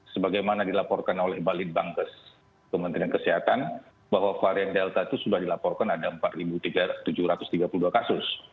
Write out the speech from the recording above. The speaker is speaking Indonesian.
sebagaimana dilaporkan oleh balit bangkes kementerian kesehatan bahwa varian delta itu sudah dilaporkan ada empat tujuh ratus tiga puluh dua kasus